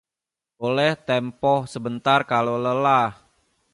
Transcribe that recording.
boleh tempoh sebentar kalau lelah